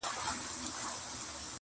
واصله نور شاعران دونه ساده نه ږغیږي